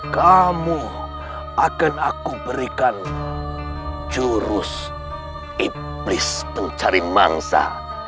kamu akan aku berikan jurus iplis pencari mangsa